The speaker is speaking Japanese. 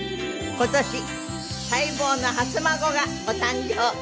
今年待望の初孫がご誕生。